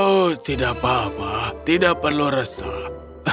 oh tidak apa apa tidak perlu resah